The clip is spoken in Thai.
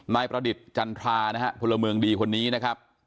ประดิษฐ์จันทรานะฮะพลเมืองดีคนนี้นะครับ